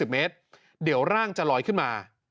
เมตรเดี๋ยวร่างจะลอยขึ้นมา